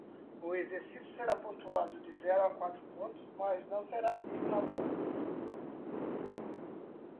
O exercício será pontuado de zero a quatro pontos, mas não será eliminatório.